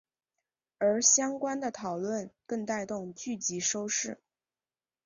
而相关的讨论更带动剧集收视。